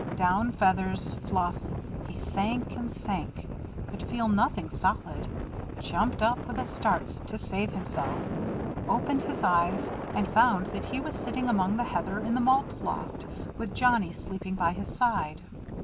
Down feathers fluff he sank and sank, could feel nothing solid, jumped up with a start to save himself, opened his eyes, and found that he was sitting among the heather in the malt loft, with Johnnie sleeping by his side.